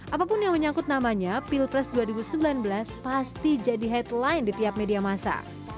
apapun yang menyangkut namanya pilpres dua ribu sembilan belas pasti jadi headline di tiap media masa